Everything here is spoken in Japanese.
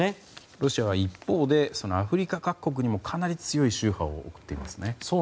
ロシアは一方でアフリカ各国にもかなり強い秋波を送っていますね。